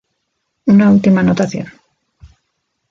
Una última anotación.